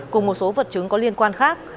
cùng một số vật chứng có liên quan khác